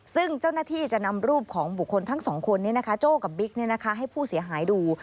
ซึ่งเจ้าหน้าที่จะนำรูปของบุคคลทั้งสองคนโจ้กับบิ๊กให้ผู้เสียหายดู